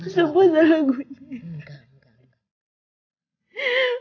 semua salah gue mir